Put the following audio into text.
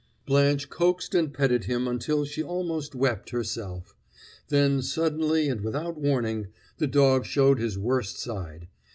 Blanche coaxed and petted him until she almost wept herself; then suddenly and without warning the dog showed his worst side.